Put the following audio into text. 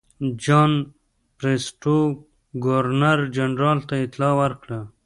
جان بریسټو ګورنر جنرال ته اطلاع ورکړه.